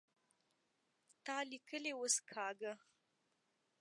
تا ليکلې اوس کږه